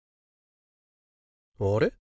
あれ？